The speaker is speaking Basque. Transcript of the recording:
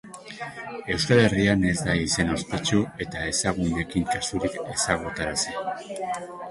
Euskal Herrian ez da izen ospetsu edo ezagunekin kasurik ezagutarazi.